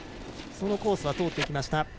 そのコースは通りました。